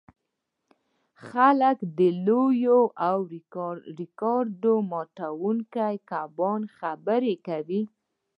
خلک د لویو او ریکارډ ماتوونکو کبانو خبرې کوي